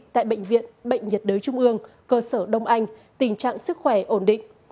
tại bệnh viện bệnh nhiệt đới trung ương cơ sở đông anh tình trạng sức khỏe ổn định